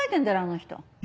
あの人。